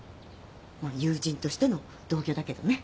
まあ友人としての同居だけどね。